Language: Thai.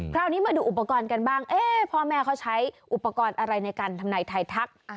คราวนี้มาดูอุปกรณ์กันบ้างพ่อแม่เขาใช้อุปกรณ์อะไรในการทำนายไทยทัก